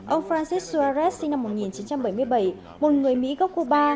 ông francis suaret sinh năm một nghìn chín trăm bảy mươi bảy một người mỹ gốc cuba